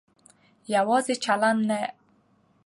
يواځې چلن نه